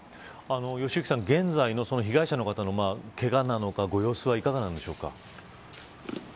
良幸さん、現在の被害者の方のけがなのかご様子はいかがですか。